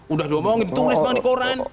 udah doang mau ditulis bang di koran